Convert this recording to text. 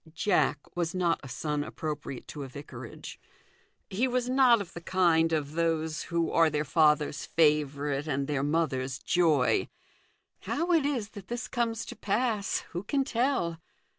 Jack was not a son appropriate to a vicarage : he was not of the kind of those who are their father's favourite and their mother's joy. How it is that this comes to pass, who can tell